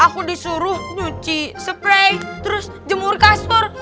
aku disuruh nyuci spray terus jemur kasur